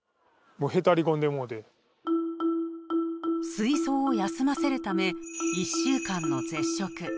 すい臓を休ませるため１週間の絶食。